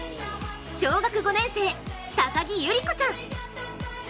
小学５年生、高木悠莉子ちゃん。